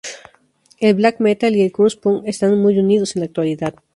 El black metal y el crust punk están muy unidos en la actualidad.